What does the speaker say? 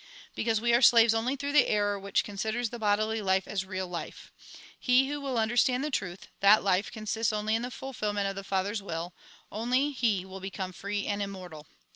Because we are slaves only through the error which con siders the bodUy Life as the real life. He who will understand the truth, that life consists only in the fulfilment of the Father's will, only he will become free and immortal.